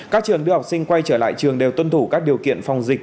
các trường đưa học sinh quay trở lại trường đều tuân thủ các điều kiện phòng dịch